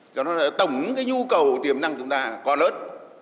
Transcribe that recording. cho nên là tổng nhu cầu tiềm năng chúng ta còn lớn